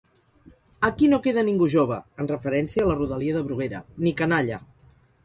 Aquí no queda ningú jove –en referència a la rodalia de Bruguera–, ni canalla.